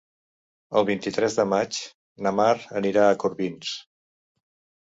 El vint-i-tres de maig na Mar anirà a Corbins.